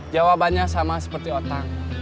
jawabannya sama seperti otang